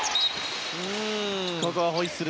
ここはホイッスル。